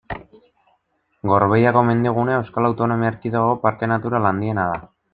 Gorbeiako mendigunea Euskal Autonomia Erkidegoko parke natural handiena da.